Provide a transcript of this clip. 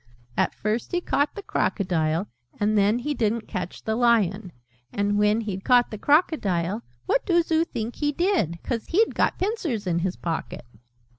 And first he caught the Crocodile, and then he didn't catch the Lion. And when he'd caught the Crocodile, what doos oo think he did 'cause he'd got pincers in his pocket?"